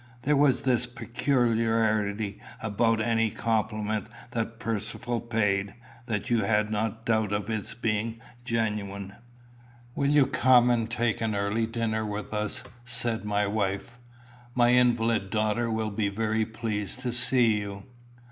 There was this peculiarity about any compliment that Percivale paid, that you had not a doubt of its being genuine. "Will you come and take an early dinner with us?" said my wife. "My invalid daughter will be very pleased to see you."